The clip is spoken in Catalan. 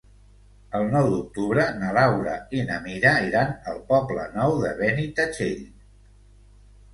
El nou d'octubre na Laura i na Mira iran al Poble Nou de Benitatxell.